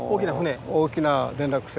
大きな船？